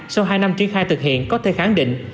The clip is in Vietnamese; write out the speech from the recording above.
sau hai năm triển khai thực hiện có thể khẳng định